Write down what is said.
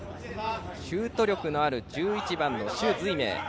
シュート力のある１１番の朱瑞銘。